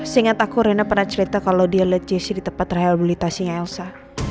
seingat aku reina pernah cerita kalau dia liat jessy di tempat terakhir beli tasinya elsa